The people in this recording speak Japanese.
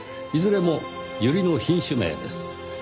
いずれもユリの品種名です。